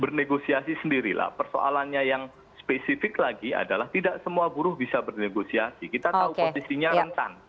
bernegosiasi kita tahu posisinya rentan